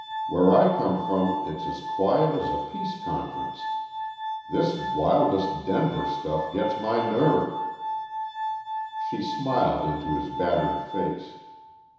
Where I come from it's as quiet as a peace conference. This wildest Denver stuff gets my nerve." She smiled into his battered face.